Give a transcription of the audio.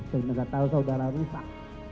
sehingga nggak tahu saudara rusak